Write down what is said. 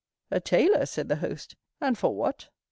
"A tailor," said the host; "and for what?"